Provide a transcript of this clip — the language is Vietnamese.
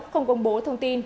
không công bố thông tin